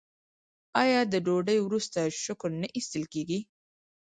آیا د ډوډۍ وروسته شکر نه ایستل کیږي؟